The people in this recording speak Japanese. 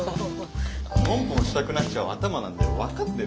ポンポンしたくなっちゃう頭なんだよ。分かってる？